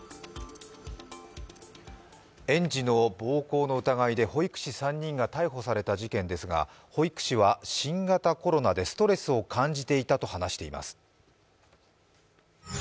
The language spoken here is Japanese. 園児の暴行の疑いで保育士３人が逮捕された事件ですが保育士は新型コロナでストレスを感じていたと話しています。